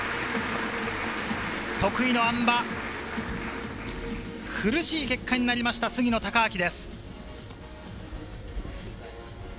得意のあん馬、苦しい結果になりました杉野正尭です。